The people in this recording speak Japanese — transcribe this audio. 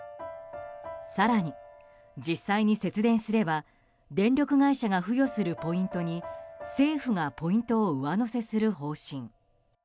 更に実際に節電すれば電力会社が付与するポイントに政府がポイントを上乗せする方針。